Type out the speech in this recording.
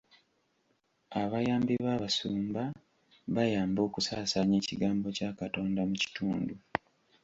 Abayambi b'abasumba bayamba okusaasaanya ekigambo kya Katonda mu kitundu.